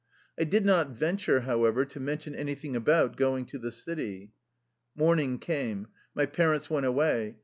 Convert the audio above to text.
I did not venture, however, to mention anything about going to the city. Morning came. My parents went away.